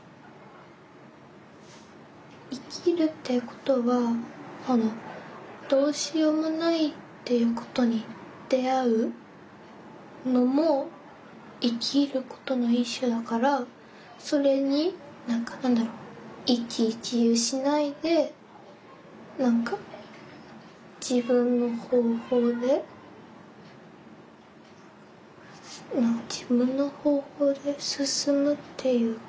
生きるっていうことはどうしようもないっていうことに出会うのも生きることの一種だからそれに何か何だろう一喜一憂しないで何か自分の方法で自分の方法で進むっていうか。